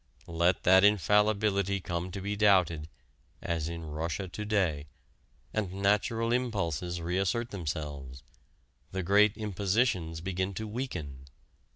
Let that infallibility come to be doubted, as in Russia to day, and natural impulses reassert themselves, the great impositions begin to weaken.